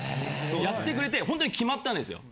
やってくれてほんとに決まったんですよ。